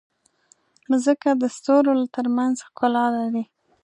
مځکه د ستورو ترمنځ ښکلا لري.